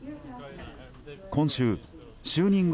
今週、就任後